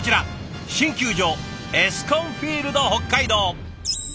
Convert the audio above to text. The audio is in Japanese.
新球場エスコンフィールド北海道。